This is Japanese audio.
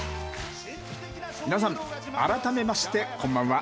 皆さん改めましてこんばんは。